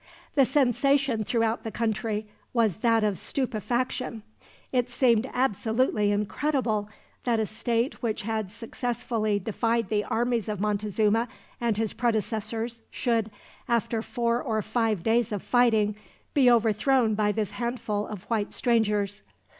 The sensation throughout the country was that of stupefaction. It seemed absolutely incredible that a state which had successfully defied the armies of Montezuma and his predecessors should, after four or five days of fighting, be overthrown by this handful of white strangers.